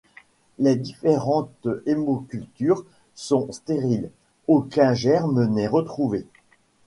Les différentes hémocultures sont stériles, aucun germe n'est retrouvé.